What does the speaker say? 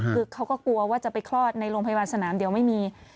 คือเขาก็กลัวว่าจะไปคลอดในโรงพยาบาลสนามเดี๋ยวไม่มี